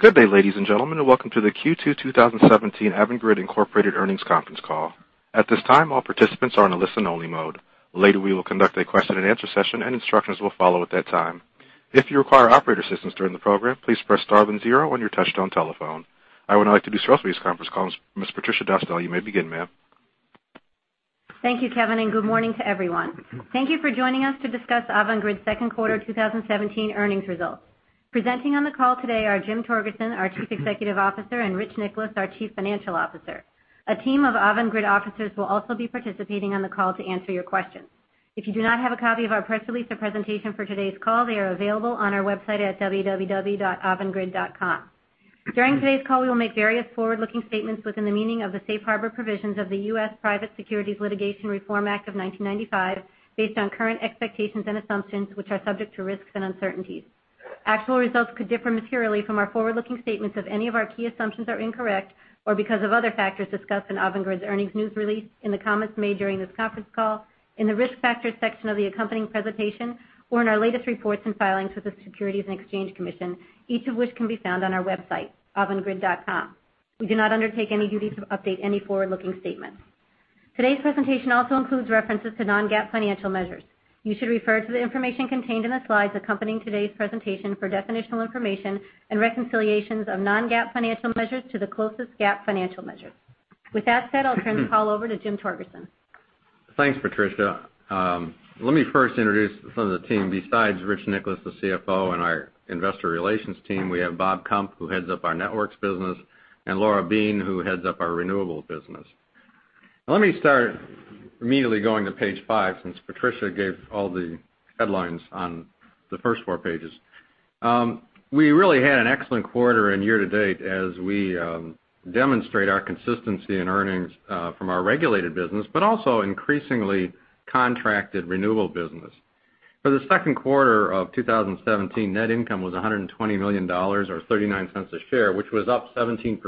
Good day, ladies and gentlemen, and welcome to the Q2 2017 Avangrid, Inc. earnings conference call. At this time, all participants are in a listen-only mode. Later, we will conduct a question-and-answer session, and instructions will follow at that time. If you require operator assistance during the program, please press star one zero on your touch-tone telephone. I would now like to introduce this conference call's Ms. Patricia Cosgel. You may begin, ma'am. Thank you, Kevin, and good morning to everyone. Thank you for joining us to discuss Avangrid's second quarter 2017 earnings results. Presenting on the call today are Jim Torgerson, our Chief Executive Officer, and Rich Nicholas, our Chief Financial Officer. A team of Avangrid officers will also be participating on the call to answer your questions. If you do not have a copy of our press release or presentation for today's call, they are available on our website at www.avangrid.com. During today's call, we will make various forward-looking statements within the meaning of the Safe Harbor Provisions of the U.S. Private Securities Litigation Reform Act of 1995, based on current expectations and assumptions, which are subject to risks and uncertainties. Actual results could differ materially from our forward-looking statements if any of our key assumptions are incorrect or because of other factors discussed in Avangrid's earnings news release, in the comments made during this conference call, in the Risk Factors section of the accompanying presentation, or in our latest reports and filings with the Securities and Exchange Commission, each of which can be found on our website, avangrid.com. We do not undertake any duty to update any forward-looking statements. Today's presentation also includes references to non-GAAP financial measures. You should refer to the information contained in the slides accompanying today's presentation for definitional information and reconciliations of non-GAAP financial measures to the closest GAAP financial measures. With that said, I'll turn the call over to Jim Torgerson. Thanks, Patricia. Let me first introduce some of the team. Besides Rich Nicholas, the CFO, and our investor relations team, we have Bob Kump, who heads up our networks business, and Laura Beane, who heads up our renewable business. Now let me start immediately going to page five, since Patricia gave all the headlines on the first four pages. We really had an excellent quarter and year-to-date as we demonstrate our consistency in earnings from our regulated business, but also increasingly contracted renewable business. For the second quarter of 2017, net income was $120 million, or $0.39 a share, which was up 17%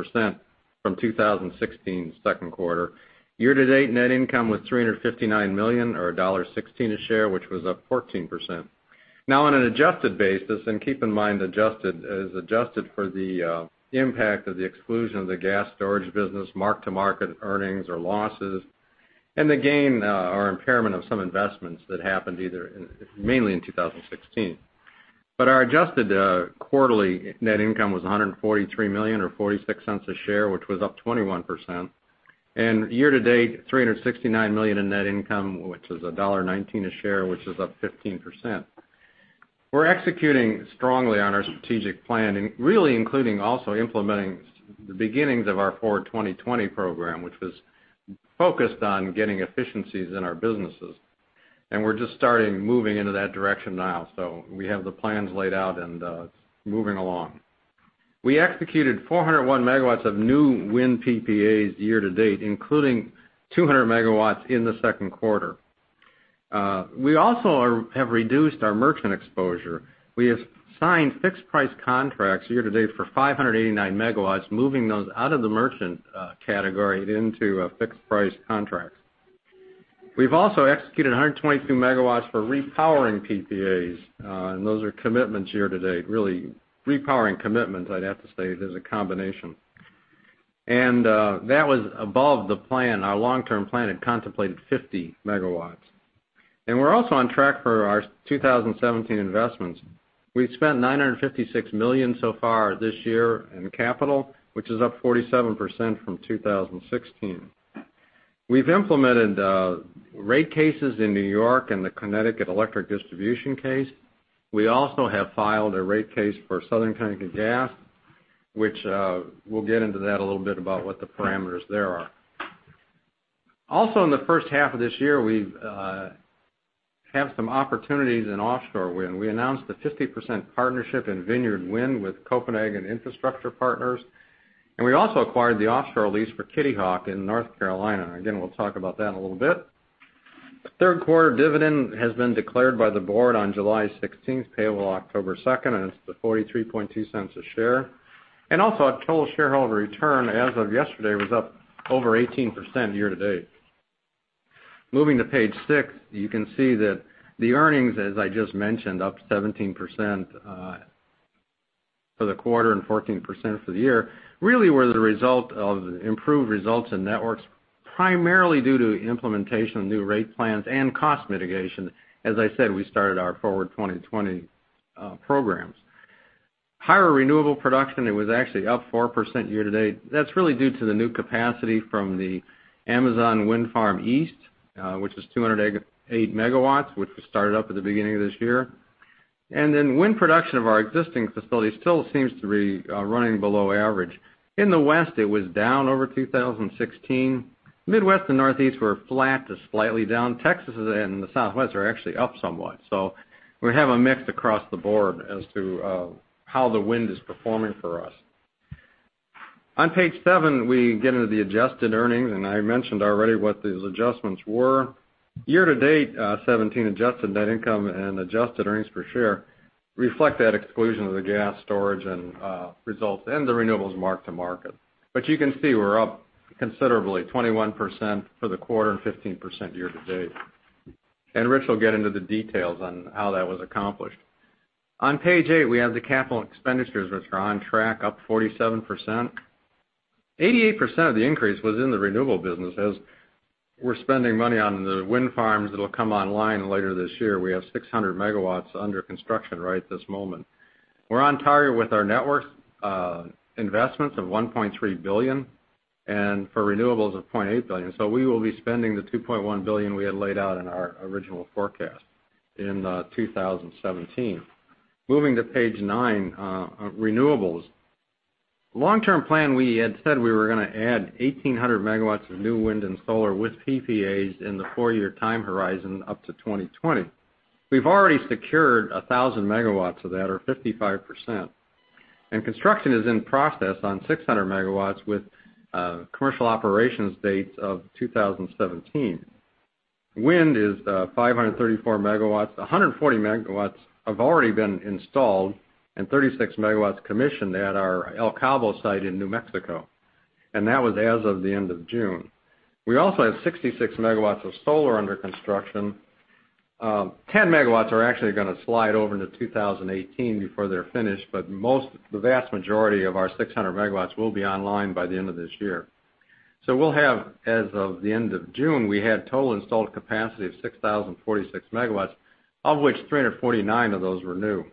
from 2016's second quarter. Year-to-date net income was $359 million, or $1.16 a share, which was up 14%. On an adjusted basis, and keep in mind adjusted is adjusted for the impact of the exclusion of the gas storage business, mark-to-market earnings or losses, and the gain or impairment of some investments that happened mainly in 2016. Our adjusted quarterly net income was $143 million, or $0.46 a share, which was up 21%, and year-to-date, $369 million in net income, which is $1.19 a share, which is up 15%. We're executing strongly on our strategic plan, including also implementing the beginnings of our Forward 2020 program, which was focused on getting efficiencies in our businesses. We're just starting moving into that direction now. We have the plans laid out and moving along. We executed 401 megawatts of new wind PPAs year-to-date, including 200 megawatts in the second quarter. We also have reduced our merchant exposure. We have signed fixed price contracts year-to-date for 589 megawatts, moving those out of the merchant category and into fixed price contracts. We've also executed 122 megawatts for repowering PPAs, and those are commitments year-to-date. Really, repowering commitments, I'd have to say, as a combination. That was above the plan. Our long-term plan had contemplated 50 megawatts. We're also on track for our 2017 investments. We've spent $956 million so far this year in capital, which is up 47% from 2016. We've implemented rate cases in New York and the Connecticut electric distribution case. We also have filed a rate case for Southern Connecticut Gas, which we'll get into that a little bit about what the parameters there are. Also in the first half of this year, we've had some opportunities in offshore wind. We announced a 50% partnership in Vineyard Wind with Copenhagen Infrastructure Partners, and we also acquired the offshore lease for Kitty Hawk in North Carolina. Again, we'll talk about that in a little bit. The third quarter dividend has been declared by the board on July 16th, payable October 2nd, and it's the $0.432 a share. Also our total shareholder return as of yesterday was up over 18% year-to-date. Moving to page six, you can see that the earnings, as I just mentioned, up 17% for the quarter and 14% for the year, really were the result of improved results in networks, primarily due to implementation of new rate plans and cost mitigation. As I said, we started our Forward 2020 programs. Higher renewable production, it was actually up 4% year-to-date. That's really due to the new capacity from the Amazon Wind Farm East, which is 208 megawatts, which was started up at the beginning of this year. Wind production of our existing facilities still seems to be running below average. In the West, it was down over 2016. Midwest and Northeast were flat to slightly down. Texas and the Southwest are actually up somewhat. We have a mix across the board as to how the wind is performing for us. On page seven, we get into the adjusted earnings, and I mentioned already what those adjustments were. Year-to-date 2017 adjusted net income and adjusted earnings per share reflect that exclusion of the gas storage end results and the renewables mark-to-market. You can see we're up considerably, 21% for the quarter and 15% year-to-date. Rich will get into the details on how that was accomplished. On page eight, we have the capital expenditures, which are on track, up 47%. 88% of the increase was in the renewable business, as we're spending money on the wind farms that'll come online later this year. We have 600 megawatts under construction right this moment. We're on target with our network investments of $1.3 billion and for renewables of $0.8 billion. We will be spending the $2.1 billion we had laid out in our original forecast in 2017. Moving to page nine, renewables. Long-term plan, we had said we were going to add 1,800 megawatts of new wind and solar with PPAs in the four-year time horizon up to 2020. We've already secured 1,000 megawatts of that, or 55%. Construction is in process on 600 megawatts with commercial operations dates of 2017. Wind is 534 megawatts. 140 megawatts have already been installed and 36 megawatts commissioned at our El Cabo site in New Mexico, that was as of the end of June. We also have 66 megawatts of solar under construction. Ten megawatts are actually going to slide over into 2018 before they're finished, the vast majority of our 600 megawatts will be online by the end of this year. We'll have, as of the end of June, we had total installed capacity of 6,046 megawatts, of which 349 of those were new.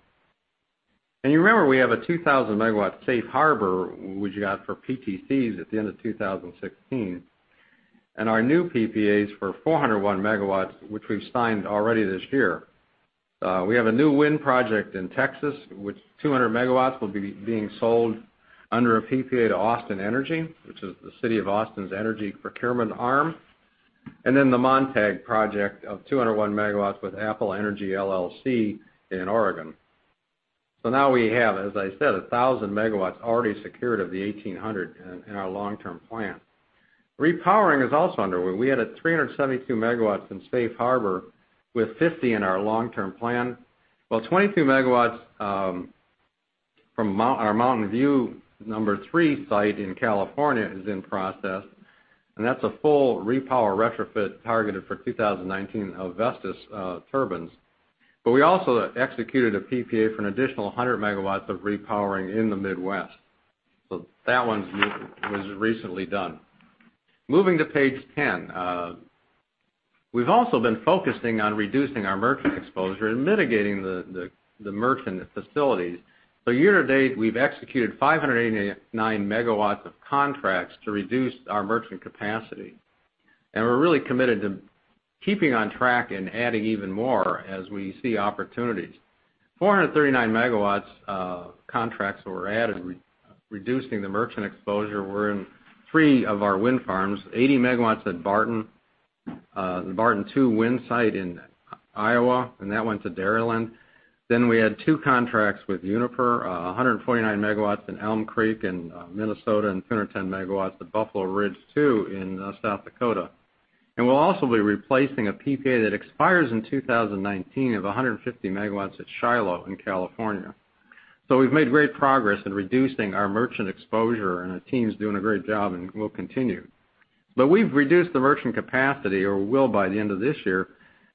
You remember, we have a 2,000-megawatt safe harbor, which we got for PTCs at the end of 2016, our new PPAs for 401 megawatts, which we've signed already this year. We have a new wind project in Texas, with 200 megawatts will be being sold under a PPA to Austin Energy, which is the City of Austin's energy procurement arm. The Montague project of 201 megawatts with Apple Energy LLC in Oregon. Now we have, as I said, 1,000 megawatts already secured of the 1,800 in our long-term plan. Repowering is also underway. We had 372 megawatts in safe harbor, with 50 in our long-term plan. While 22 megawatts from our Mountain View III site in California is in process, that's a full repower retrofit targeted for 2019 of Vestas turbines. We also executed a PPA for an additional 100 megawatts of repowering in the Midwest. That one was recently done. Moving to page 10. We've also been focusing on reducing our merchant exposure and mitigating the merchant facilities. Year-to-date, we've executed 589 megawatts of contracts to reduce our merchant capacity. We're really committed to keeping on track and adding even more as we see opportunities. 439 megawatts of contracts were added, reducing the merchant exposure were in three of our wind farms, 80 megawatts at Barton, the Barton II wind site in Iowa, that went to Dairyland. We had two contracts with Uniper, 129 megawatts in Elm Creek in Minnesota and 210 megawatts at Buffalo Ridge II in South Dakota. We'll also be replacing a PPA that expires in 2019 of 150 megawatts at Shiloh in California. We've made great progress in reducing our merchant exposure, our team's doing a great job, and will continue. We've reduced the merchant capacity, or will by the end of this year,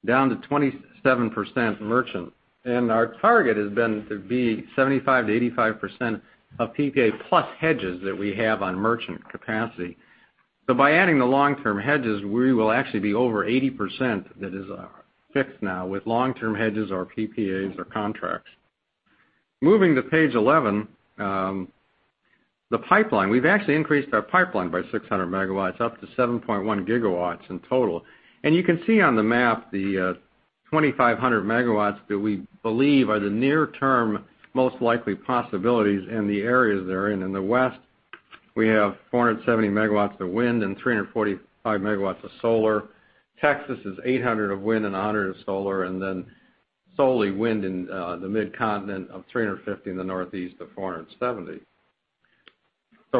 down to 27% merchant. Our target has been to be 75%-85% of PPA plus hedges that we have on merchant capacity. By adding the long-term hedges, we will actually be over 80% that is fixed now with long-term hedges or PPAs or contracts. Moving to page 11, the pipeline. We've actually increased our pipeline by 600 MW, up to 7.1 GW in total. You can see on the map the 2,500 MW that we believe are the near-term, most likely possibilities in the areas they're in. In the West, we have 470 MW of wind and 345 MW of solar. Texas is 800 MW of wind and 100 MW of solar, and then solely wind in the mid-continent of 350 MW in the Northeast to 470 MW.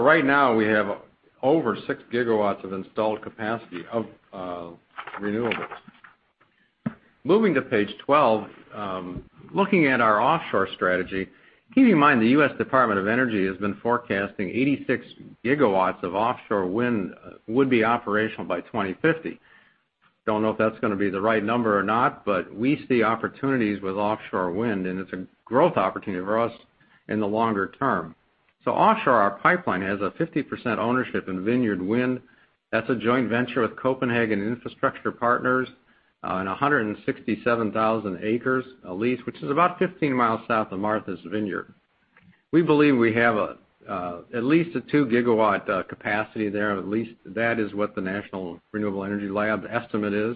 Right now, we have over 6 GW of installed capacity of renewables. Moving to page 12, looking at our offshore strategy, keeping in mind the U.S. Department of Energy has been forecasting 86 GW of offshore wind would be operational by 2050. Don't know if that's going to be the right number or not, but we see opportunities with offshore wind, and it's a growth opportunity for us in the longer term. Offshore, our pipeline has a 50% ownership in Vineyard Wind. That's a joint venture with Copenhagen Infrastructure Partners on 167,000 acres, a lease, which is about 15 miles south of Martha's Vineyard. We believe we have at least a 2 GW capacity there. At least that is what the National Renewable Energy Lab's estimate is.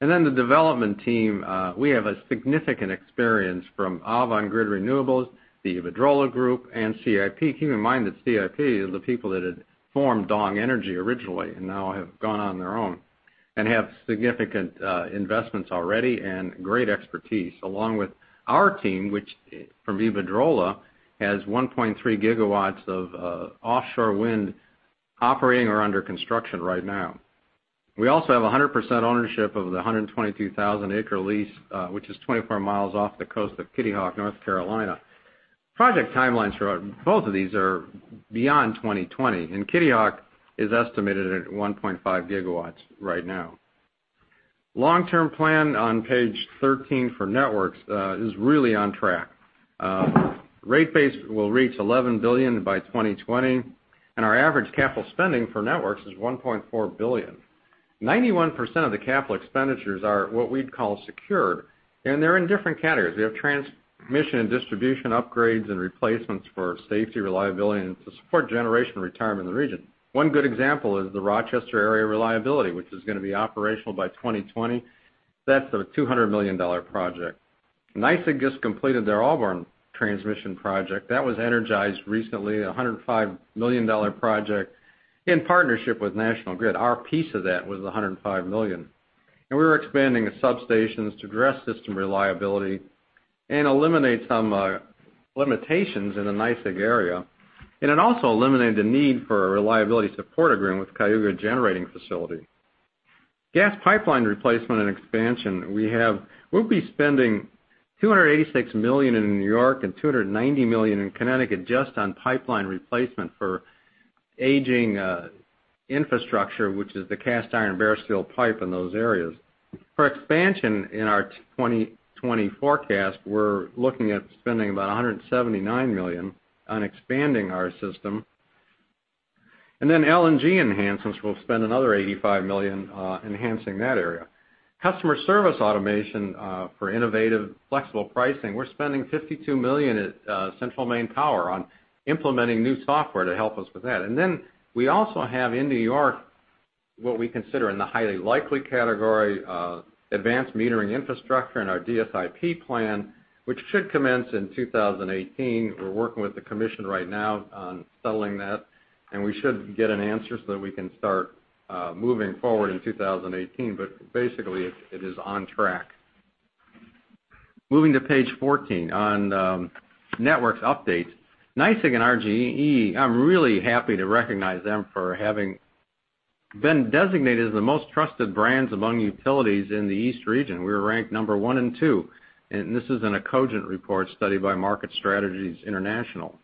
The development team, we have a significant experience from Avangrid Renewables, the Iberdrola Group, and CIP. Keep in mind that CIP are the people that had formed DONG Energy originally and now have gone on their own and have significant investments already and great expertise, along with our team, which from Iberdrola, has 1.3 GW of offshore wind operating or under construction right now. We also have 100% ownership of the 122,000-acre lease, which is 24 miles off the coast of Kitty Hawk, North Carolina. Project timelines for both of these are beyond 2020, and Kitty Hawk is estimated at 1.5 GW right now. Long-term plan on page 13 for networks is really on track. Rate base will reach $11 billion by 2020, and our average capital spending for networks is $1.4 billion. 91% of the capital expenditures are what we'd call secured, and they're in different categories. We have transmission and distribution upgrades and replacements for safety, reliability, and to support generation retirement in the region. One good example is the Rochester area reliability, which is going to be operational by 2020. That's a $200 million project. NYSEG just completed their Auburn transmission project. That was energized recently, a $105 million project in partnership with National Grid. Our piece of that was $105 million. We're expanding the substations to address system reliability and eliminate some limitations in the NYSEG area. It also eliminated the need for a reliability support agreement with Cayuga generating facility. Gas pipeline replacement and expansion, we'll be spending $286 million in New York and $290 million in Connecticut just on pipeline replacement for aging infrastructure, which is the cast iron and bare steel pipe in those areas. For expansion in our 2020 forecast, we're looking at spending about $179 million on expanding our system. LNG enhancements, we'll spend another $85 million enhancing that area. Customer service automation for innovative, flexible pricing, we're spending $52 million at Central Maine Power on implementing new software to help us with that. We also have in N.Y., what we consider in the highly likely category, advanced metering infrastructure and our DSIP plan, which should commence in 2018. We're working with the commission right now on settling that, we should get an answer so that we can start moving forward in 2018. Basically, it is on track. Moving to page 14 on networks updates. NYSEG and RG&E, I'm really happy to recognize them for having been designated as the most trusted brands among utilities in the east region. We were ranked number 1 and 2. This is in a Cogent Reports study by Market Strategies International.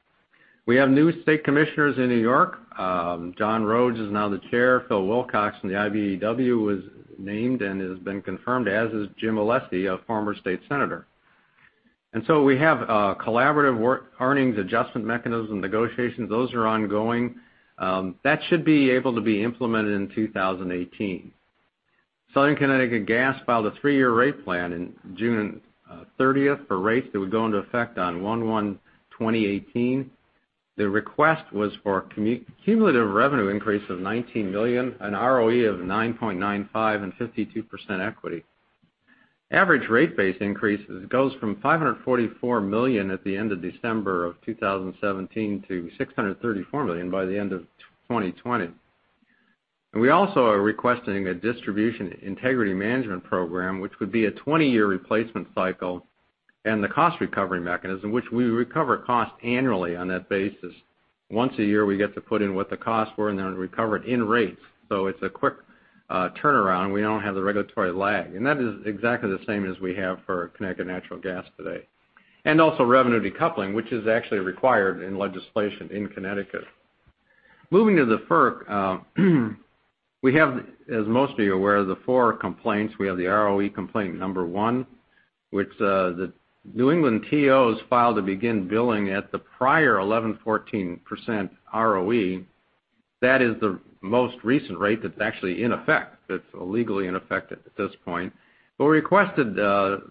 We have new state commissioners in N.Y. John Rhodes is now the chair. Phil Wilcox from the IBEW was named and has been confirmed, as is James Alesi, a former state senator. We have collaborative work earnings adjustment mechanism negotiations. Those are ongoing. That should be able to be implemented in 2018. Southern Connecticut Gas filed a three-year rate plan in June 30th for rates that would go into effect on 1/1/2018. The request was for a cumulative revenue increase of $19 million, an ROE of 9.95% and 52% equity. Average rate base increases goes from $544 million at the end of December of 2017 to $634 million by the end of 2020. We also are requesting a Distribution Integrity Management Program, which would be a 20-year replacement cycle, the cost recovery mechanism, which we recover cost annually on that basis. Once a year, we get to put in what the costs were, then recover it in rates. It's a quick turnaround. We don't have the regulatory lag. That is exactly the same as we have for Connecticut Natural Gas today. Also revenue decoupling, which is actually required in legislation in Connecticut. Moving to the FERC. We have, as most of you are aware, the four complaints. We have the ROE complaint number 1, which the New England TOs filed to begin billing at the prior 11.14% ROE. That is the most recent rate that's actually in effect. It's legally in effect at this point. We requested to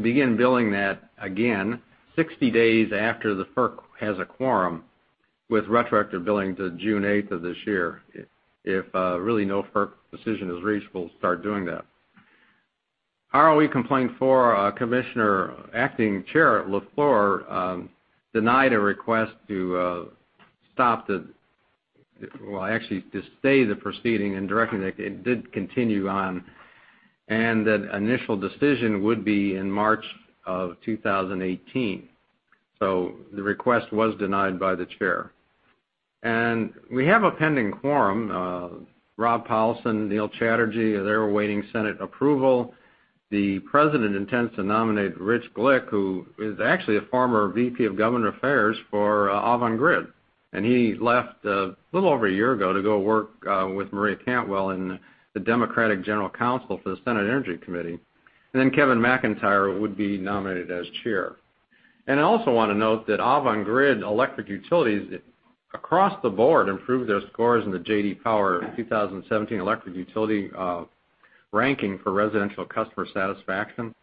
begin billing that again 60 days after the FERC has a quorum with retroactive billing to June 8th of this year. If really no FERC decision is reached, we'll start doing that. ROE complaint 4, Commissioner Acting Chair Cheryl LaFleur denied a request to stay the proceeding and directing it did continue on, and that initial decision would be in March of 2018. The request was denied by the chair. We have a pending quorum. Rob Powelson, Neil Chatterjee, they're awaiting Senate approval. The president intends to nominate Rich Glick, who is actually a former VP of government affairs for Avangrid, he left a little over a year ago to go work with Maria Cantwell in the Democratic general counsel for the Senate Energy Committee. Kevin McIntyre would be nominated as chair. I also want to note that Avangrid electric utilities across the board improved their scores in the J.D. Power 2017 electric utility ranking for residential customer satisfaction.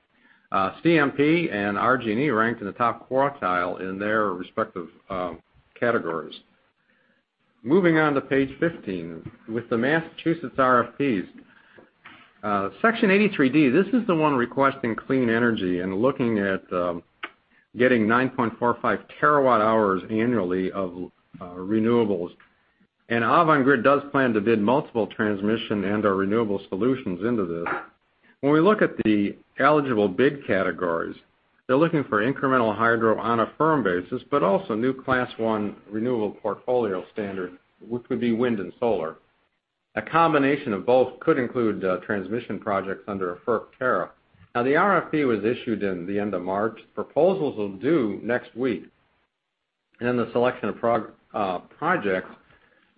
CMP and RG&E ranked in the top quartile in their respective categories. Moving on to page 15, with the Massachusetts RFPs. Section 83D, this is the one requesting clean energy and looking at getting 9.45 terawatt hours annually of renewables. Avangrid does plan to bid multiple transmission and/or renewable solutions into this. When we look at the eligible bid categories, they're looking for incremental hydro on a firm basis, but also new class 1 Renewable Portfolio Standard, which would be wind and solar. A combination of both could include transmission projects under a FERC tariff. The RFP was issued in the end of March. Proposals are due next week. The selection of projects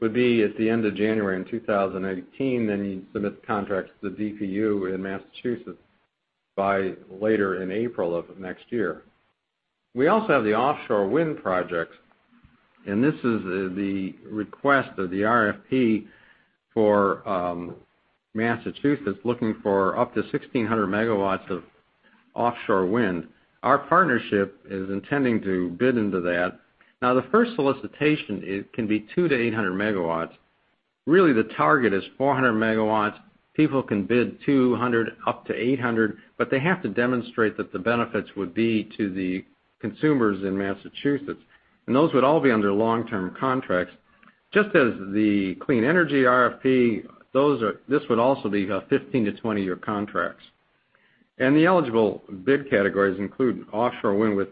would be at the end of January in 2018. You submit the contracts to the DPU in Massachusetts by later in April of next year. We also have the offshore wind projects. This is the request of the RFP for Massachusetts looking for up to 1,600 megawatts of offshore wind. Our partnership is intending to bid into that. The first solicitation, it can be 200-800 megawatts. Really, the target is 400 megawatts. People can bid 200 up to 800, but they have to demonstrate that the benefits would be to the consumers in Massachusetts, and those would all be under long-term contracts. Just as the clean energy RFP, this would also be 15-20-year contracts. The eligible bid categories include offshore wind with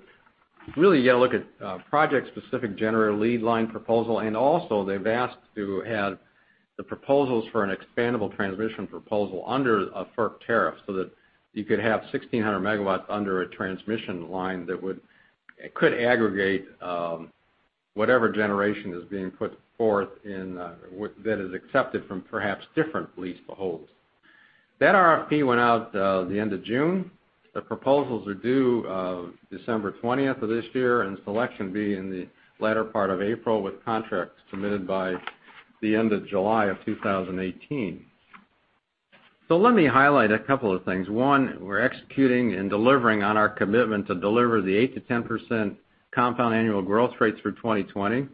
Really, you got to look at project-specific generator lead line proposal. Also they've asked to have the proposals for an expandable transmission proposal under a FERC tariff, so that you could have 1,600 megawatts under a transmission line that could aggregate whatever generation is being put forth and that is accepted from perhaps different leaseholds. That RFP went out the end of June. The proposals are due December 20th of this year. Selection be in the latter part of April, with contracts submitted by the end of July of 2018. Let me highlight a couple of things. One, we're executing and delivering on our commitment to deliver the 8%-10% compound annual growth rates through 2020.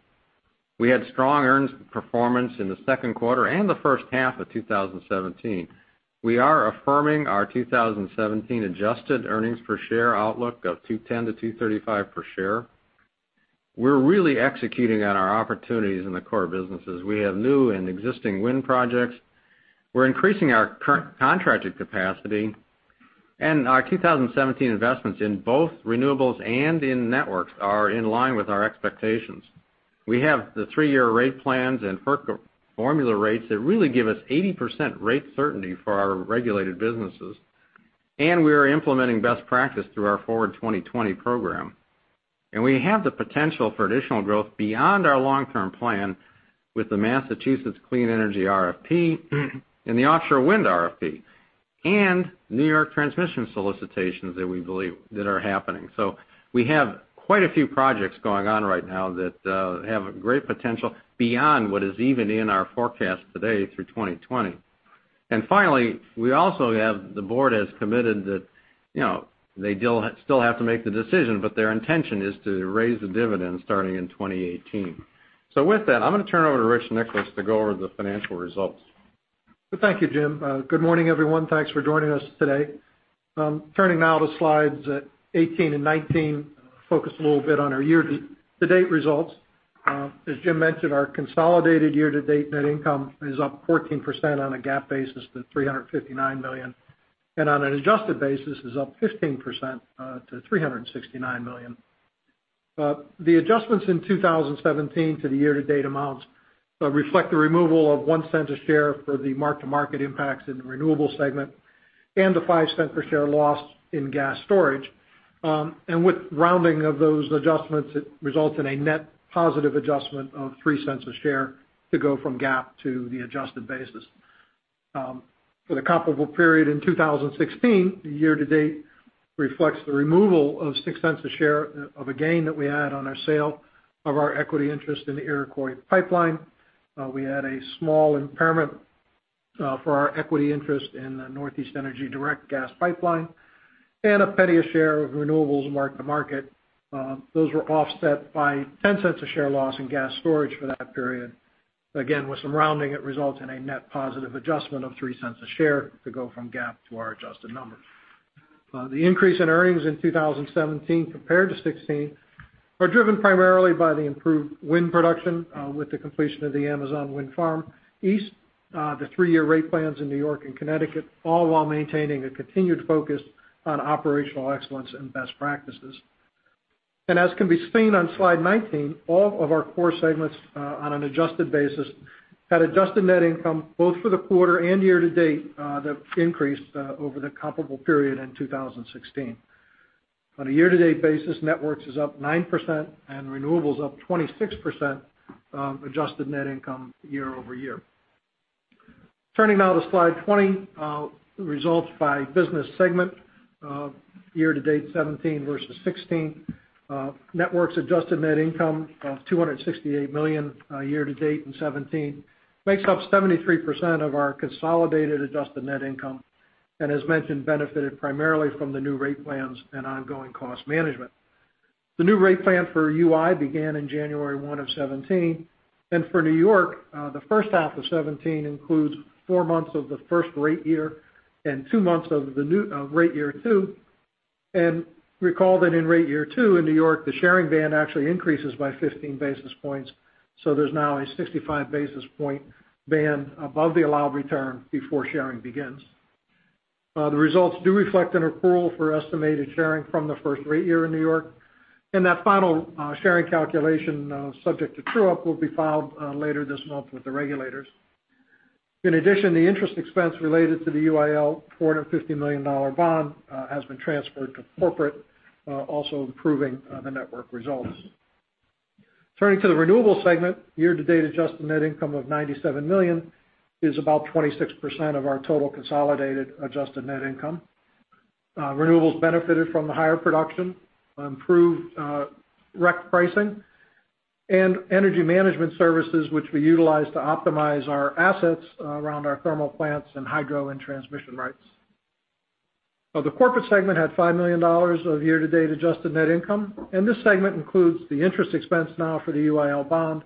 We had strong earnings performance in the second quarter and the first half of 2017. We are affirming our 2017 adjusted earnings per share outlook of $2.10-$2.35 per share. We're really executing on our opportunities in the core businesses. We have new and existing wind projects. We're increasing our current contracted capacity, and our 2017 investments in both renewables and in networks are in line with our expectations. We have the three-year rate plans and FERC formula rates that really give us 80% rate certainty for our regulated businesses. We are implementing best practice through our Forward 2020 program. We have the potential for additional growth beyond our long-term plan with the Massachusetts clean energy RFP and the offshore wind RFP, and New York transmission solicitations that we believe are happening. We have quite a few projects going on right now that have great potential beyond what is even in our forecast today through 2020. Finally, the board has committed that they still have to make the decision, but their intention is to raise the dividend starting in 2018. With that, I'm going to turn it over to Rich Nicholas to go over the financial results. Thank you, Jim. Good morning, everyone. Thanks for joining us today. Turning now to slides 18 and 19, focus a little bit on our year-to-date results. As Jim mentioned, our consolidated year-to-date net income is up 14% on a GAAP basis to $359 million, and on an adjusted basis is up 15% to $369 million. The adjustments in 2017 to the year-to-date amounts reflect the removal of $0.01 a share for the mark-to-market impacts in the renewable segment and the $0.05 per share loss in gas storage. With rounding of those adjustments, it results in a net positive adjustment of $0.03 a share to go from GAAP to the adjusted basis. For the comparable period in 2016, the year-to-date reflects the removal of $0.06 a share of a gain that we had on our sale of our equity interest in the Iroquois pipeline. We had a small impairment for our equity interest in the Northeast Energy Direct gas pipeline and a $0.01 a share of renewables mark-to-market. Those were offset by $0.10 a share loss in gas storage for that period. Again, with some rounding, it results in a net positive adjustment of $0.03 a share to go from GAAP to our adjusted numbers. The increase in earnings in 2017 compared to 2016 are driven primarily by the improved wind production with the completion of the Amazon Wind Farm East, the three-year rate plans in New York and Connecticut, all while maintaining a continued focus on operational excellence and best practices. As can be seen on slide 19, all of our core segments on an adjusted basis had adjusted net income both for the quarter and year-to-date that increased over the comparable period in 2016. On a year-to-date basis, Networks is up 9% and Renewables up 26% adjusted net income year-over-year. Turning now to slide 20, results by business segment year-to-date 2017 versus 2016. Networks adjusted net income of $268 million year-to-date in 2017 makes up 73% of our consolidated adjusted net income and, as mentioned, benefited primarily from the new rate plans and ongoing cost management. The new rate plan for UI began in January 1, 2017, and for New York, the first half of 2017 includes four months of the first rate year and two months of rate year 2. Recall that in rate year 2 in New York, the sharing band actually increases by 15 basis points, so there's now a 65 basis point band above the allowed return before sharing begins. The results do reflect an accrual for estimated sharing from the first rate year in New York, that final sharing calculation, subject to true-up, will be filed later this month with the regulators. In addition, the interest expense related to the UIL $450 million bond has been transferred to corporate, also improving the network results. Turning to the renewable segment, year-to-date adjusted net income of $97 million is about 26% of our total consolidated adjusted net income. Renewables benefited from the higher production, improved REC pricing, and energy management services, which we utilize to optimize our assets around our thermal plants and hydro and transmission rights. The corporate segment had $5 million of year-to-date adjusted net income, this segment includes the interest expense now for the UIL bond,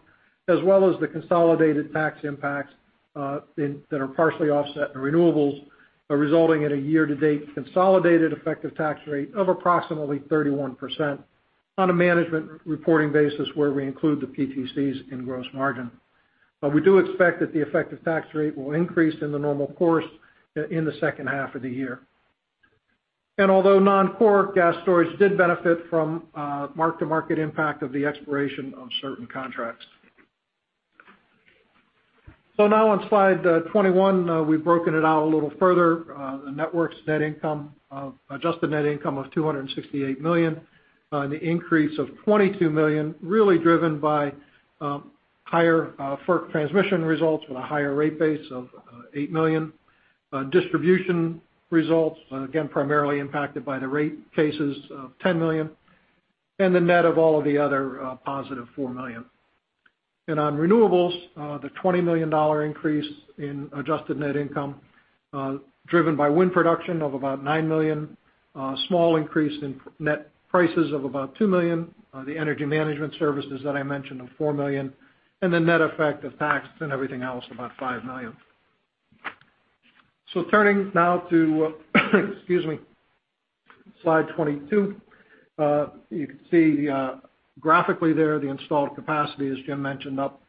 as well as the consolidated tax impacts that are partially offset in renewables, resulting in a year-to-date consolidated effective tax rate of approximately 31% on a management reporting basis where we include the PTCs in gross margin. We do expect that the effective tax rate will increase in the normal course in the second half of the year. Although non-core gas storage did benefit from mark-to-market impact of the expiration of certain contracts. On slide 21, we've broken it out a little further. The networks' net income of adjusted net income of $268 million, the increase of $22 million really driven by higher FERC transmission results with a higher rate base of $8 million. Distribution results, again, primarily impacted by the rate cases of $10 million, the net of all of the other positive $4 million. On renewables, the $20 million increase in adjusted net income driven by wind production of about $9 million, a small increase in net prices of about $2 million, the energy management services that I mentioned of $4 million, the net effect of tax and everything else, about $5 million. Turning now to slide 22. You can see graphically there the installed capacity, as Jim mentioned, up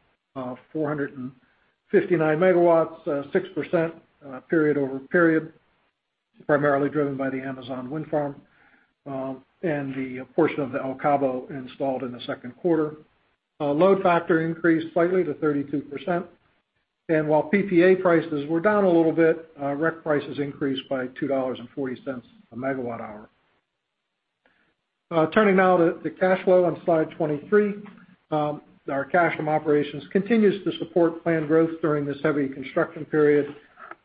459 megawatts, 6% period-over-period, primarily driven by the Amazon Wind Farm and the portion of the El Cabo installed in the second quarter. Load factor increased slightly to 32%. While PPA prices were down a little bit, REC prices increased by $2.40 a megawatt hour. Turning now to the cash flow on slide 23. Our cash from operations continues to support planned growth during this heavy construction period,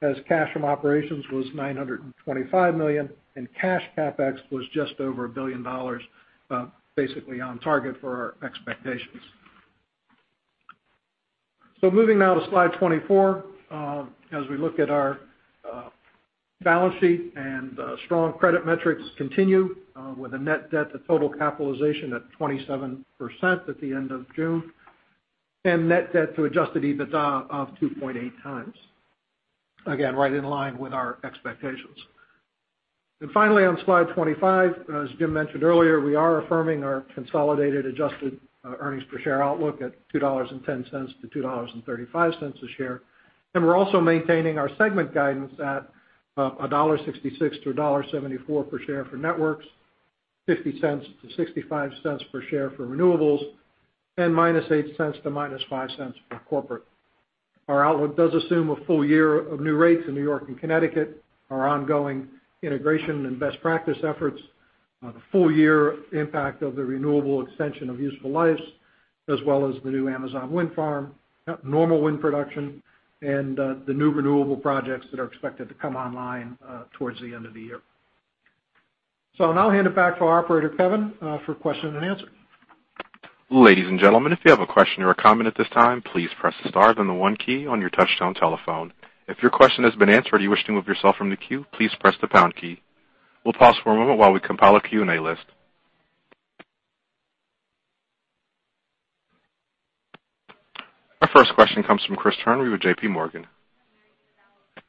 as cash from operations was $925 million, cash CapEx was just over $1 billion, basically on target for our expectations. Moving now to slide 24. As we look at our balance sheet, strong credit metrics continue with a net debt to total capitalization at 27% at the end of June, net debt to adjusted EBITDA of 2.8 times. Again, right in line with our expectations. Finally, on slide 25, as Jim mentioned earlier, we are affirming our consolidated adjusted earnings per share outlook at $2.10-$2.35 a share. We're also maintaining our segment guidance at $1.66-$1.74 per share for networks, $0.50-$0.65 per share for renewables, and -$0.08 to -$0.05 for corporate. Our outlook does assume a full year of new rates in New York and Connecticut, our ongoing integration and best practice efforts, the full year impact of the renewable extension of useful lives, as well as the new Amazon Wind Farm, normal wind production, and the new renewable projects that are expected to come online towards the end of the year. I'll now hand it back to our operator, Kevin, for question and answer. Ladies and gentlemen, if you have a question or a comment at this time, please press the star then the one key on your touchtone telephone. If your question has been answered and you wish to remove yourself from the queue, please press the pound key. We'll pause for a moment while we compile a Q&A list. Our first question comes from Chris Turnure with JPMorgan. Good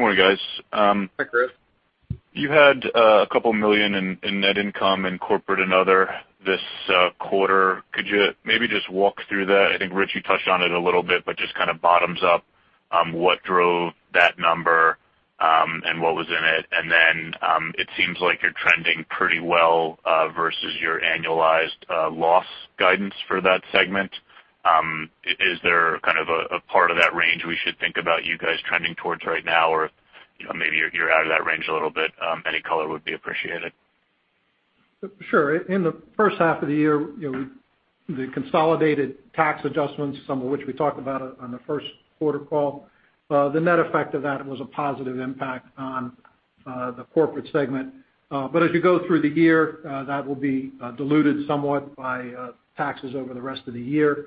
morning, guys. Hi, Chris. You had $2 million in net income in corporate and other this quarter. Could you maybe just walk through that? I think, Rich, you touched on it a little bit, but just kind of bottoms up, what drove that number, and what was in it? It seems like you're trending pretty well versus your annualized loss guidance for that segment. Is there kind of a part of that range we should think about you guys trending towards right now? Maybe you're out of that range a little bit. Any color would be appreciated. Sure. In the first half of the year, the consolidated tax adjustments, some of which we talked about on the first quarter call, the net effect of that was a positive impact on the corporate segment. As you go through the year, that will be diluted somewhat by taxes over the rest of the year.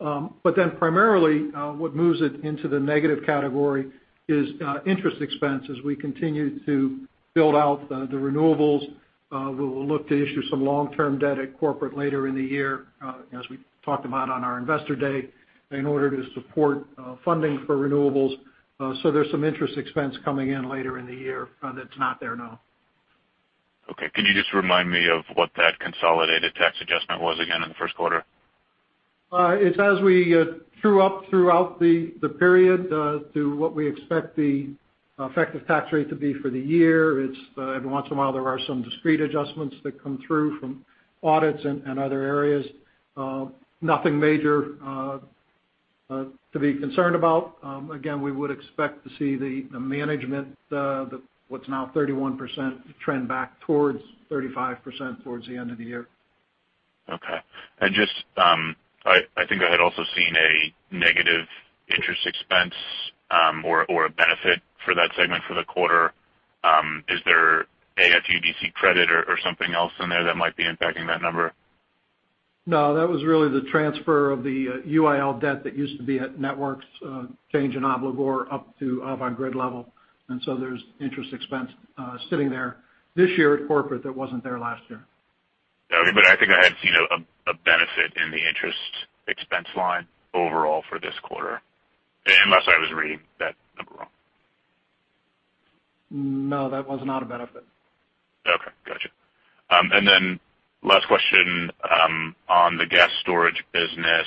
Primarily what moves it into the negative category is interest expense as we continue to build out the renewables. We will look to issue some long-term debt at corporate later in the year as we talked about on our investor day in order to support funding for renewables. There's some interest expense coming in later in the year that's not there now. Okay. Could you just remind me of what that consolidated tax adjustment was again in the first quarter? It's as we true up throughout the period to what we expect the effective tax rate to be for the year. Every once in a while, there are some discrete adjustments that come through from audits and other areas. Nothing major to be concerned about. Again, we would expect to see the management, what's now 31%, trend back towards 35% towards the end of the year. Okay. I think I had also seen a negative interest expense or a benefit for that segment for the quarter. Is there a UDC credit or something else in there that might be impacting that number? That was really the transfer of the UIL debt that used to be at networks change in obligor up to Avangrid level. There's interest expense sitting there this year at corporate that wasn't there last year. Okay. I think I had seen a benefit in the interest expense line overall for this quarter, unless I was reading that number wrong. That was not a benefit. Okay. Got you. Then last question, on the gas storage business,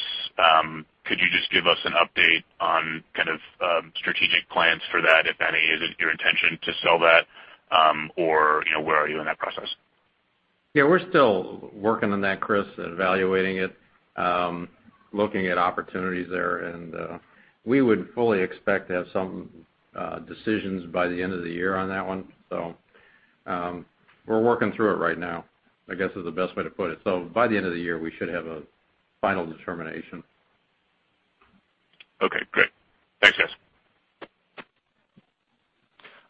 could you just give us an update on kind of strategic plans for that, if any? Is it your intention to sell that? Or where are you in that process? Yeah, we're still working on that, Chris. Evaluating it. Looking at opportunities there. We would fully expect to have some decisions by the end of the year on that one. We're working through it right now, I guess, is the best way to put it. By the end of the year, we should have a final determination. Okay, great. Thanks, guys.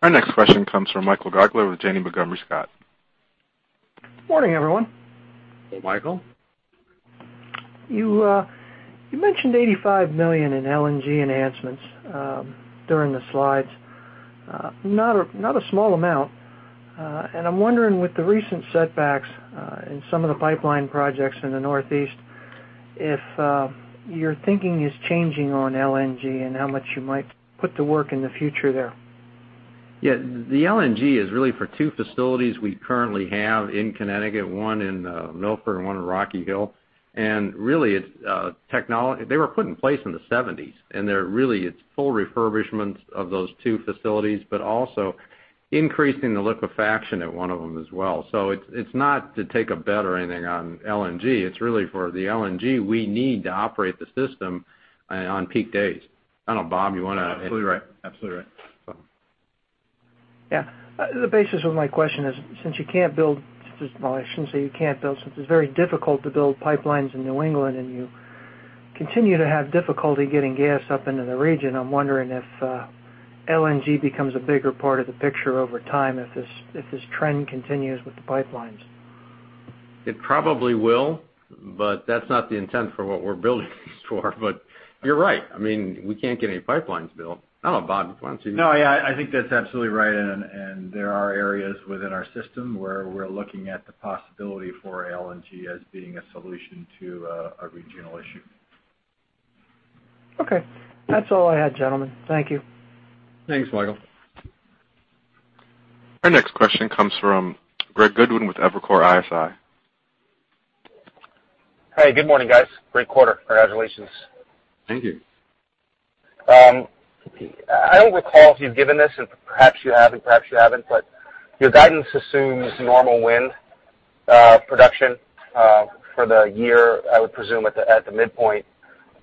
Our next question comes from Michael Gaugler with Janney Montgomery Scott. Morning, everyone. Hey, Michael Gaugler. You mentioned $85 million in LNG enhancements during the slides. Not a small amount. I'm wondering, with the recent setbacks in some of the pipeline projects in the Northeast, if your thinking is changing on LNG and how much you might put to work in the future there. Yeah, the LNG is really for two facilities we currently have in Connecticut, one in Milford and one in Rocky Hill. Really, they were put in place in the 1970s. Really, it's full refurbishment of those two facilities, but also increasing the liquefaction at one of them as well. It's not to take a bet or anything on LNG. It's really for the LNG we need to operate the system on peak days. I don't know, Bob Kump, you want to- Absolutely right. Yeah. The basis of my question is, since you can't build Well, I shouldn't say you can't build, since it's very difficult to build pipelines in New England, and you continue to have difficulty getting gas up into the region. I'm wondering if LNG becomes a bigger part of the picture over time if this trend continues with the pipelines. It probably will, that's not the intent for what we're building these for. You're right, we can't get any pipelines built. I don't know, Bob, why don't you- No, yeah. I think that's absolutely right. There are areas within our system where we're looking at the possibility for LNG as being a solution to a regional issue. Okay. That's all I had, gentlemen. Thank you. Thanks, Michael. Our next question comes from Greg Gordon with Evercore ISI. Hey, good morning, guys. Great quarter. Congratulations. Thank you. I don't recall if you've given this, and perhaps you have and perhaps you haven't, but your guidance assumes normal wind production for the year, I would presume at the midpoint.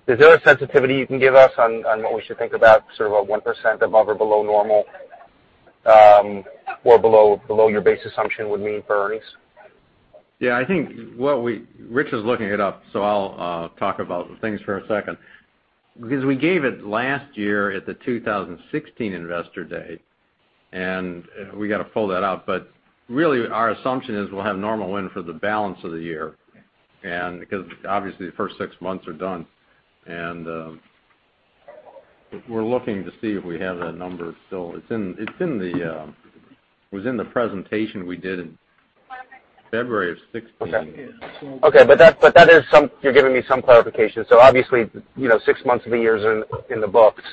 Is there a sensitivity you can give us on what we should think about sort of a 1% above or below normal, or below your base assumption would mean for earnings? Yeah, Rich is looking it up, so I'll talk about things for a second. We gave it last year at the 2016 Investor Day, and we got to pull that out. Really, our assumption is we'll have normal wind for the balance of the year. Obviously, the first six months are done. We're looking to see if we have that number still. It was in the presentation we did in February of 2016. Okay. You're giving me some clarification. Obviously, six months of the year is in the books.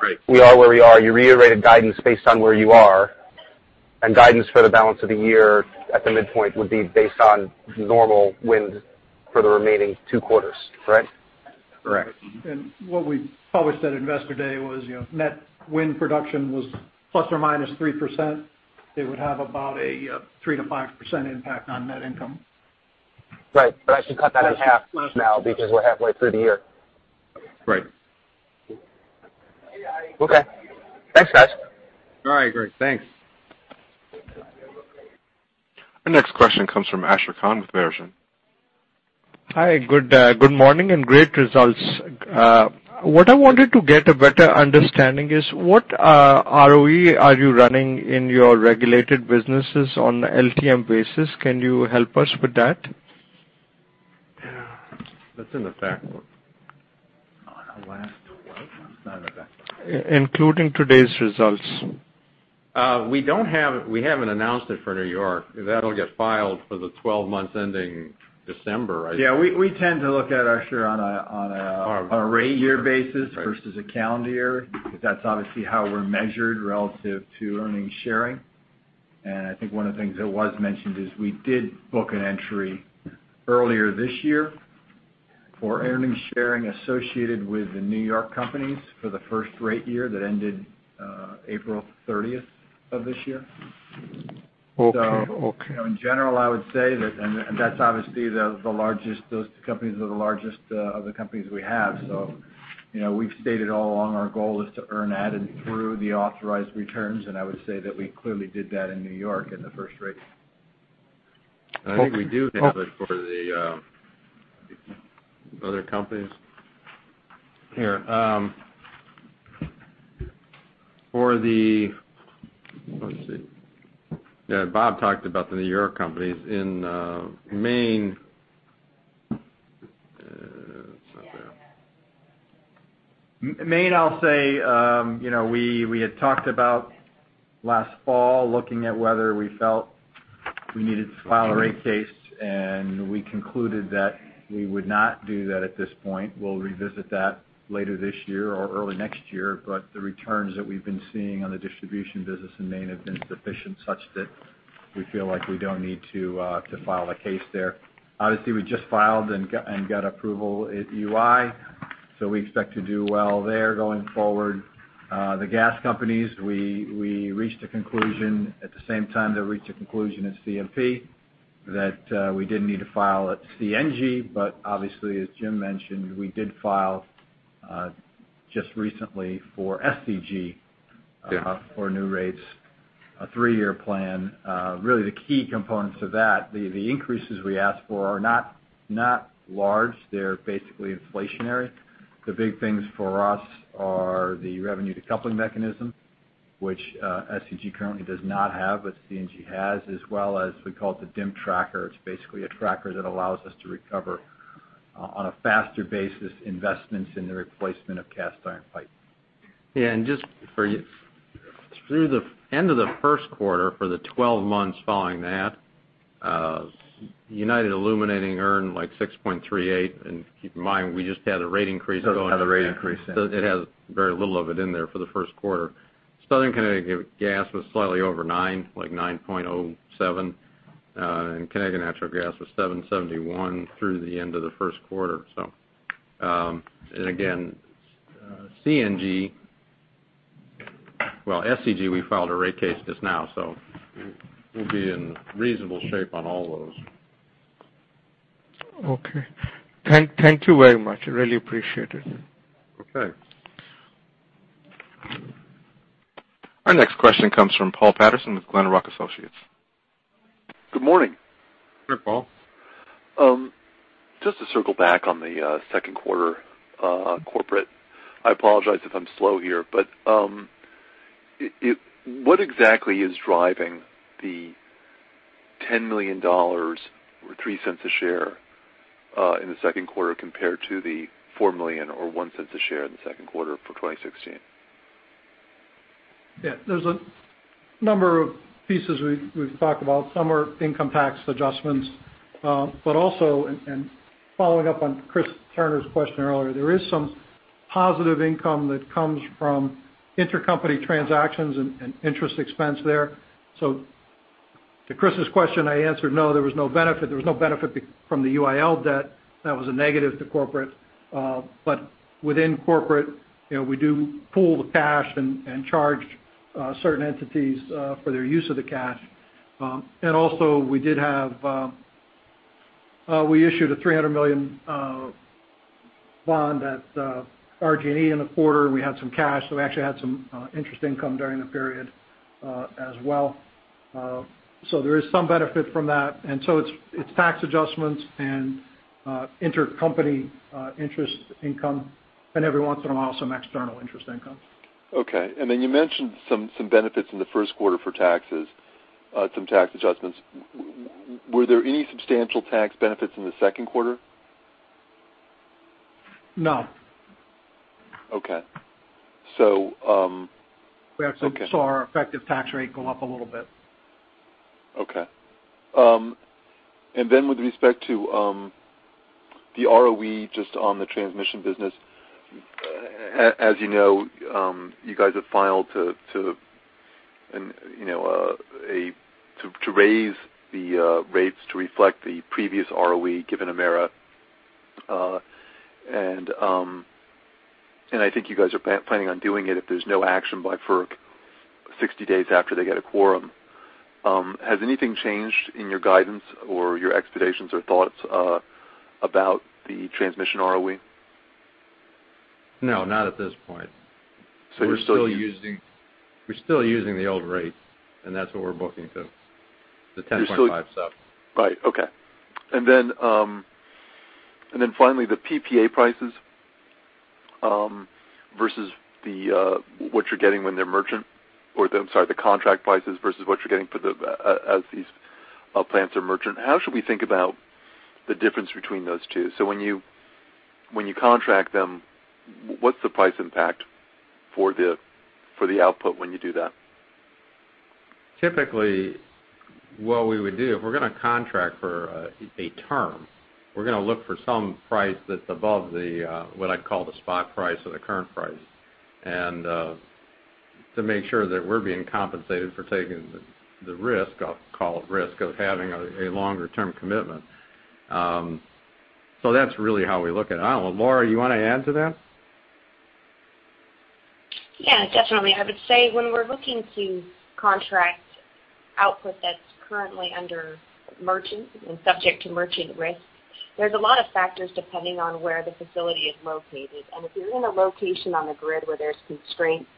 Right. We are where we are. You reiterated guidance based on where you are, guidance for the balance of the year at the midpoint would be based on normal wind for the remaining two quarters, correct? Correct. What we published at Investor Day was net wind production was ±3%. It would have about a 3%-5% impact on net income. Right. I should cut that in half now because we're halfway through the year. Right. Okay. Thanks, guys. All right, Greg. Thanks. Our next question comes from Ashar Khan with Verition. Hi. Good morning. Great results. What I wanted to get a better understanding is what ROE are you running in your regulated businesses on the LTM basis? Can you help us with that? That's in the fact book. On the last what? It's not in the fact book. Including today's results. We haven't announced it for New York. That'll get filed for the 12 months ending December, I think. Yeah, we tend to look at, Ashar, on a rate year basis versus a calendar year, because that's obviously how we're measured relative to earnings sharing. I think one of the things that was mentioned is we did book an entry earlier this year for earnings sharing associated with the New York companies for the first rate year that ended April 30th of this year. Okay. In general, I would say that, those two companies are the largest of the companies we have. We've stated all along our goal is to earn added through the authorized returns, and I would say that we clearly did that in New York in the first rate. I think we do have it for the other companies. Here. Yeah, Bob talked about the New York companies. In Maine, it's not there. Maine, I'll say, we had talked about last fall, looking at whether we felt we needed to file a rate case. We concluded that we would not do that at this point. We'll revisit that later this year or early next year. The returns that we've been seeing on the distribution business in Maine have been sufficient such that we feel like we don't need to file a case there. Obviously, we just filed and got approval at UI, so we expect to do well there going forward. The gas companies, we reached a conclusion at the same time they reached a conclusion at CMP that we didn't need to file at CNG. Obviously, as Jim mentioned, we did file just recently for SCG- Yeah for new rates, a 3-year plan. Really the key components to that, the increases we asked for are not large. They're basically inflationary. The big things for us are the revenue decoupling mechanism, which SCG currently does not have, but CNG has, as well as we call it the DIM tracker. It's basically a tracker that allows us to recover on a faster basis investments in the replacement of cast iron pipe. Yeah, just through the end of the first quarter for the 12 months following that, United Illuminating earned like 6.38%. Keep in mind, we just had a rate increase going into that. Had a rate increase. It has very little of it in there for the first quarter. Southern Connecticut Gas was slightly over 9, like 9.07%. Connecticut Natural Gas was 7.71% through the end of the first quarter. Again, CNG, well, SCG, we filed a rate case just now, so we'll be in reasonable shape on all those. Okay. Thank you very much. I really appreciate it. Okay. Our next question comes from Paul Patterson with Glenrock Associates. Good morning. Good morning, Paul. Just to circle back on the second quarter corporate. I apologize if I'm slow here, what exactly is driving the $10 million or $0.03 a share in the second quarter compared to the $4 million or $0.01 a share in the second quarter for 2016? Yeah. There's a number of pieces we've talked about. Some are income tax adjustments. Also, and following up on Chris Turnure's question earlier, there is some positive income that comes from intercompany transactions and interest expense there. To Chris's question, I answered no, there was no benefit. There was no benefit from the UIL debt. That was a negative to corporate. Within corporate, we do pool the cash and charge certain entities for their use of the cash. Also we issued a $300 million bond at RG&E in the quarter, and we had some cash, so we actually had some interest income during the period as well. There is some benefit from that. It's tax adjustments and intercompany interest income, and every once in a while, some external interest income. Okay. You mentioned some benefits in the first quarter for taxes, some tax adjustments. Were there any substantial tax benefits in the second quarter? No. Okay. We actually saw our effective tax rate go up a little bit. Okay. With respect to the ROE, just on the transmission business, as you know, you guys have filed to raise the rates to reflect the previous ROE given Emera. I think you guys are planning on doing it if there's no action by FERC 60 days after they get a quorum. Has anything changed in your guidance or your expectations or thoughts about the transmission ROE? No, not at this point. You're still. We're still using the old rates, and that's what we're booking to, the 10.57. Finally, the PPA prices versus what you're getting when they're merchant, or, I'm sorry, the contract prices versus what you're getting as these plants are merchant. How should we think about the difference between those two? When you contract them, what's the price impact for the output when you do that? Typically, what we would do, if we're going to contract for a term, we're going to look for some price that's above the, what I'd call the spot price or the current price. To make sure that we're being compensated for taking the risk, I'll call it risk, of having a longer-term commitment. That's really how we look at it. I don't know, Laura, you want to add to that? Yeah, definitely. I would say when we're looking to contract output that's currently under merchant and subject to merchant risk, there's a lot of factors depending on where the facility is located. If you're in a location on the grid where there's constraints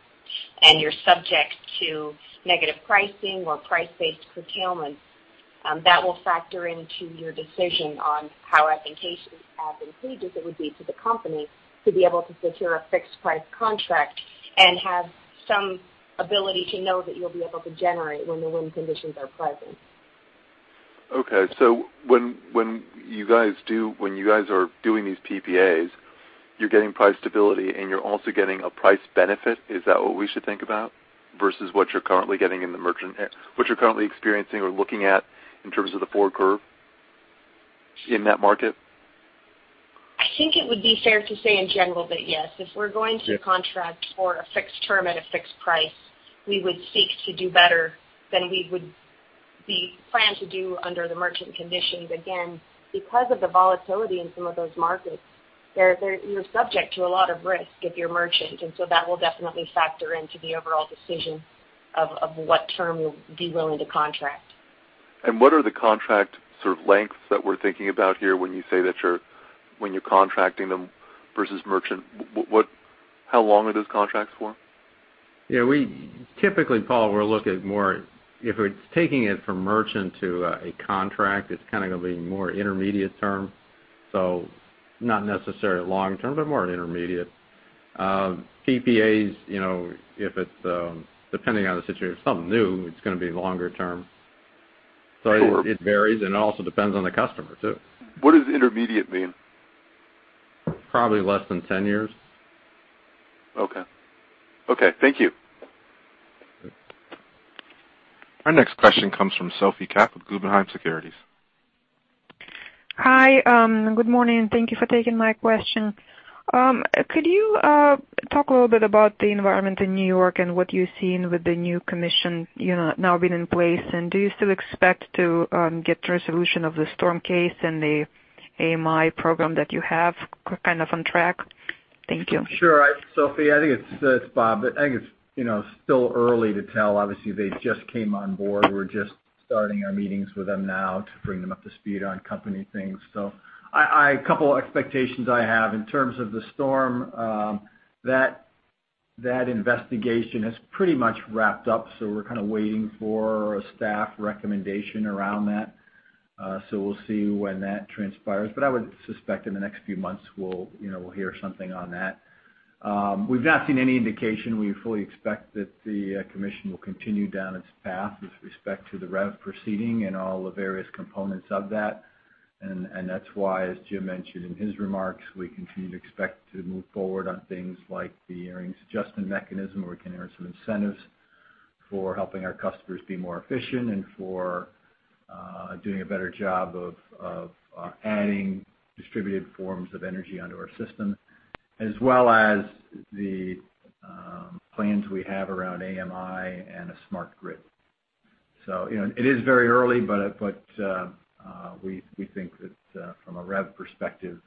and you're subject to negative pricing or price-based curtailment, that will factor into your decision on how advantageous it would be to the company to be able to secure a fixed price contract and have some ability to know that you'll be able to generate when the wind conditions are present. Okay. When you guys are doing these PPAs, you're getting price stability and you're also getting a price benefit. Is that what we should think about versus what you're currently getting in the merchant, what you're currently experiencing or looking at in terms of the forward curve in that market? I think it would be fair to say in general that yes, if we're going to contract for a fixed term at a fixed price, we would seek to do better than we would be planned to do under the merchant conditions. Because of the volatility in some of those markets, you're subject to a lot of risk if you're merchant, that will definitely factor into the overall decision of what term you'll be willing to contract. What are the contract sort of lengths that we're thinking about here when you say that you're contracting them versus merchant, how long are those contracts for? Yeah. Typically, Paul, we're looking more, if it's taking it from merchant to a contract, it's kind of going to be more intermediate term, not necessarily long-term, but more intermediate. PPAs, depending on the situation, if it's something new, it's going to be longer term. Sure. It varies. It also depends on the customer, too. What does intermediate mean? Probably less than 10 years. Okay. Thank you. Our next question comes from Shahriar Pourreza with Guggenheim Securities. Hi. Good morning. Thank you for taking my question. Could you talk a little bit about the environment in New York and what you're seeing with the new commission now being in place, and do you still expect to get the resolution of the storm case and the AMI program that you have kind of on track? Thank you. Shahriar, I think it's Bob. I think it's still early to tell. Obviously, they just came on board. We're just starting our meetings with them now to bring them up to speed on company things. A couple expectations I have. In terms of the storm, that investigation has pretty much wrapped up. We're kind of waiting for a staff recommendation around that. We'll see when that transpires, but I would suspect in the next few months we'll hear something on that. We've not seen any indication. We fully expect that the commission will continue down its path with respect to the REV proceeding and all the various components of that. That's why, as Jim mentioned in his remarks, we continue to expect to move forward on things like the earnings adjustment mechanism, where we can earn some incentives for helping our customers be more efficient and for doing a better job of adding distributed forms of energy onto our system, as well as the plans we have around AMI and a smart grid. It is very early, but we think that from a REV perspective,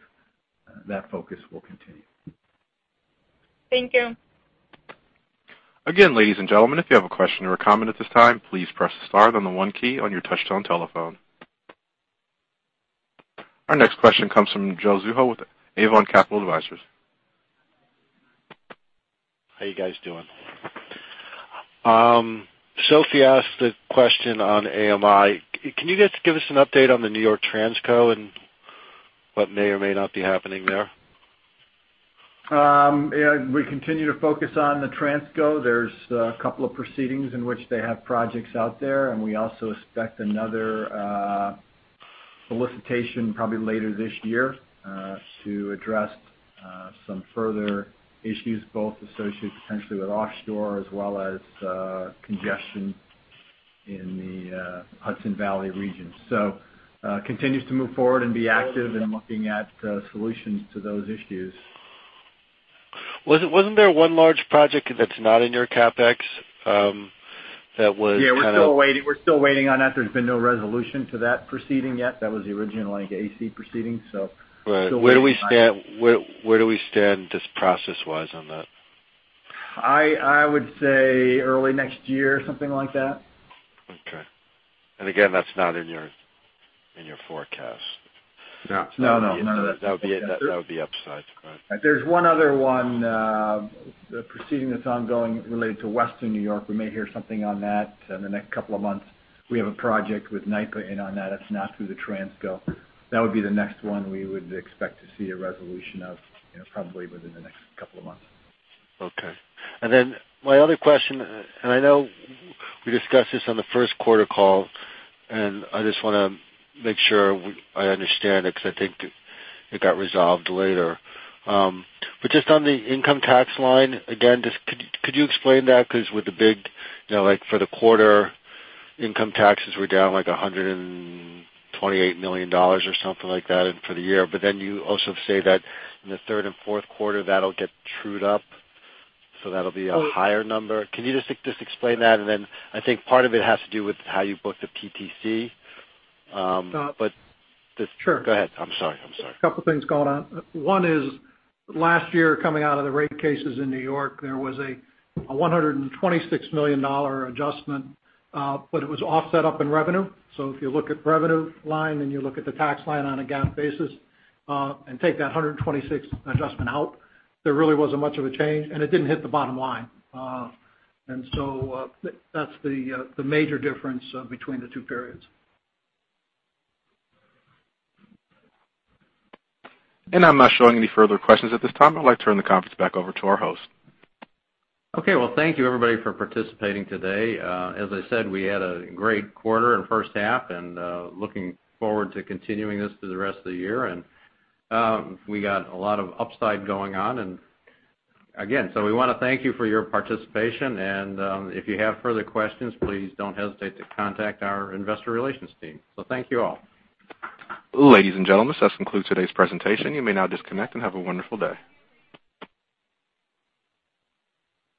that focus will continue. Thank you. Again, ladies and gentlemen, if you have a question or a comment at this time, please press star then the one key on your touchtone telephone. Our next question comes from Joe Zhou with Avon Capital Advisors. How you guys doing? Shahriar Pourreza asked a question on AMI. Can you guys give us an update on the New York Transco and what may or may not be happening there? Yeah. We continue to focus on the Transco. There's a couple of proceedings in which they have projects out there, and we also expect another solicitation probably later this year to address some further issues, both associated potentially with offshore as well as congestion in the Hudson Valley region. Continues to move forward and be active in looking at solutions to those issues. Wasn't there one large project that's not in your CapEx? Yeah, we're still waiting on that. There's been no resolution to that proceeding yet. That was the original like AC proceeding. Right. Where do we stand this process-wise on that? I would say early next year, something like that. Okay. Again, that's not in your forecast. No. None of that. That would be upside. Right. There's one other one, the proceeding that's ongoing related to Western New York. We may hear something on that in the next couple of months. We have a project with NYPA in on that. It's not through the Transco. That would be the next one we would expect to see a resolution of probably within the next couple of months. Okay. My other question, I know we discussed this on the first quarter call, and I just want to make sure I understand it because I think it got resolved later. Just on the income tax line, again, could you explain that? Because with the big, like for the quarter income taxes were down like $128 million or something like that and for the year. You also say that in the third and fourth quarter, that'll get trued up, so that'll be a higher number. Can you just explain that? I think part of it has to do with how you book the PTC. No. But just- Sure. Go ahead. I'm sorry. A couple of things going on. One is last year, coming out of the rate cases in New York, there was a $126 million adjustment. It was offset up in revenue. If you look at revenue line and you look at the tax line on a GAAP basis and take that 126 adjustment out, there really wasn't much of a change, and it didn't hit the bottom line. That's the major difference between the two periods. I'm not showing any further questions at this time. I'd like to turn the conference back over to our host. Well, thank you everybody for participating today. As I said, we had a great quarter and first half and looking forward to continuing this through the rest of the year. We got a lot of upside going on. Again, we want to thank you for your participation, and if you have further questions, please don't hesitate to contact our investor relations team. Thank you all. Ladies and gentlemen, this concludes today's presentation. You may now disconnect and have a wonderful day.